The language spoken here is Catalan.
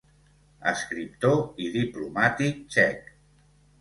Escriptor i diplomàtic txec.